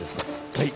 はい。